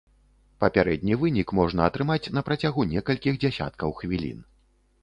Папярэдні вынік можна атрымаць на працягу некалькіх дзясяткаў хвілін.